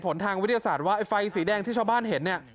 ทางวิทยาศาสตร์ว่าไอ้ไฟสีแดงที่ชาวบ้านเห็นเนี่ย